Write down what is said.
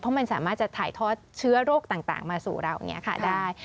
เพราะมันสามารถจะถ่ายทอดเชื้อโรคต่างมาสู่เราอย่างนี้ค่ะได้